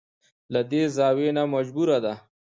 له دې زاويې نه مجبوره ده.